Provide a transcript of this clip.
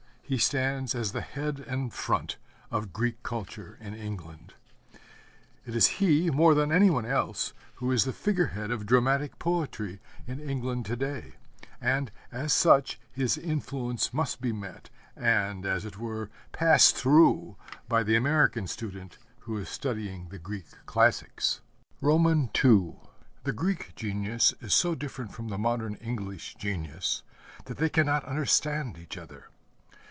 He stands as the head and front of Greek culture in England. It is he, more than any one else, who is the figure head of dramatic poetry in England to day; and, as such, his influence must be met, and, as it were, passed through, by the American student who is studying the Greek classics. II The Greek genius is so different from the modern English genius that they cannot understand each other.